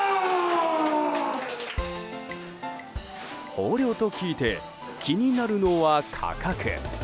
豊漁と聞いて気になるのは価格。